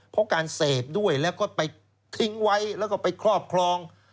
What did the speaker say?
เพราะการเสพด้วยแล้วก็ไปทิ้งไว้แล้วก็ไปครอบครอง